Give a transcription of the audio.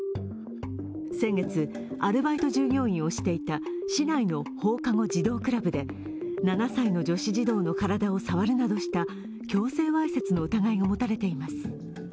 先月、アルバイト従業員をしていた市内の放課後児童クラブで７歳の女子児童の体を触るなどした強制わいせつの疑いが持たれています。